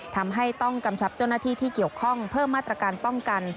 ทำให้ต้องกำชับเจ้าหน้าที่ที่เกี่ยวข้องเพิ่มมาตรการป้องกัน